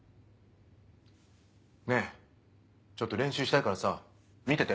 ねぇちょっと練習したいからさ見てて。